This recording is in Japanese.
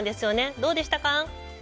どうでしたか？